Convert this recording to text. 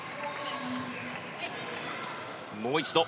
もう一度。